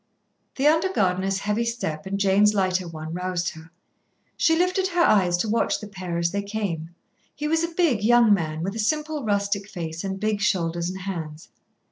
The under gardener's heavy step and Jane's lighter one roused her. She lifted her eyes to watch the pair as they came. He was a big, young man with a simple rustic face and big shoulders and hands.